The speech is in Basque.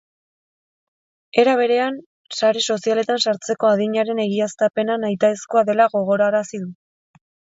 Era berean, sare sozialetan sartzeko adinaren egiaztapena nahitaezkoa dela gogorarazi du.